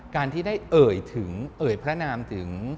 การที่ได้เอ่ยถึงเอ่ยพระนามถึง